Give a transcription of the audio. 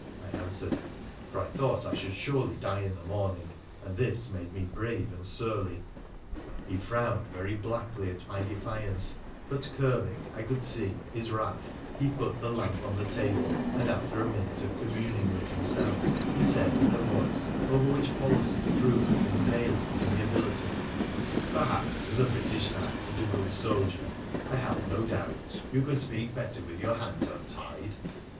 ' I answered, for I thought I should die in the morning, and this made me brave and surly. He frowned very blackly at my defiance, but curbing, I could see, his wrath, he put the lamp on the table, and, after a minute of communing with himself, he said, in a voice over which policy threw a thin veil of amiability —' Perhaps, as a British knight and a good soldier, I have no doubt, you could speak better with your hands untied